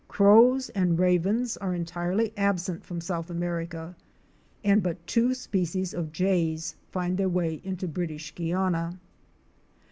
Crows and Ravens are entirely absent from South America, and but two species of Jays find their way into British Guiana.